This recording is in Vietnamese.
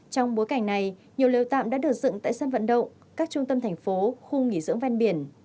trong bối cảnh này nhiều lều tạm đã được dựng tại sân vận động các trung tâm thành phố khu nghỉ dưỡng ven biển